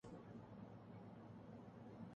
اپنی پہلی تقریر میں انہوں نے اس کو اپناہدف بتایا ہے۔